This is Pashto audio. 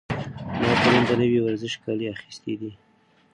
ما پرون د نوي ورزشي کالي اخیستي دي.